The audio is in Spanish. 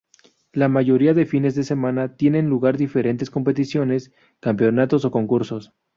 La mayoría de fines de semana tienen lugar diferentes competiciones, campeonatos o concursos.